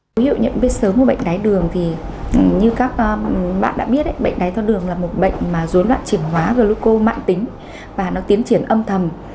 dấu hiệu nhận biết sớm của bệnh đai thác đường thì như các bạn đã biết bệnh đai thác đường là một bệnh mà dối loạn chuyển hóa gluco mạng tính và nó tiến triển âm thầm